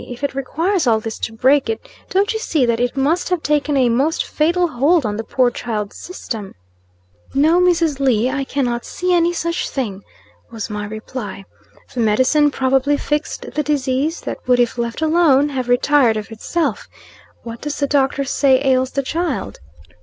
If it requires all this to break it, don't you see that it must have taken a most fatal hold on the poor child's system." "No, Mrs. Lee, I cannot see any such thing," was my reply. "The medicine probably fixed the disease, that would, if left alone, have retired of itself. What does the doctor say ails the child?"